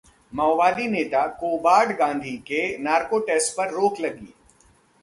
माओवादी नेता कोबाड गांधी के नार्को टेस्ट पर रोक लगी